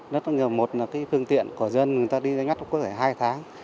nó có nhiều một cái phương tiện của dân người ta đi ra nhắt có thể hai tháng